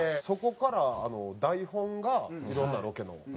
そこから台本がいろんなロケの。